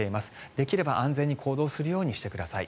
できれば安全に行動するようにしてください。